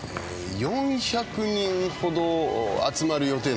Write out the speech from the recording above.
４００人ほど集まる予定なんです。